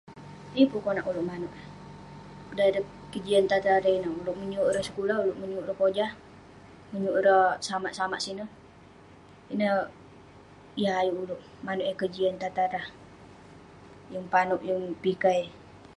Yeng pun konak ulouk manouk eh, dan ireh kejian tatah ireh, ulouk menyuk ireh sekulah, ulouk menyuk ireh jah..menyuk ireh samak samak sineh, ineh yah ayuk ulouk manouk eh kejian tatah rah..yeng panouk, yeng pikai..